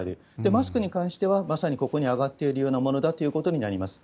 マスクに関してはまさにここに挙がっているようなものだっていうことになります。